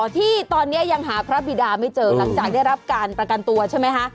ที่ตอนนี้ยังหาพระบิดาไม่เจอหลังจากได้รับการประกันตัวใช่ไหมคะ